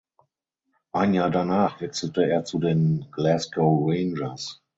Ein Jahr danach wechselte er zu den Glasgow Rangers.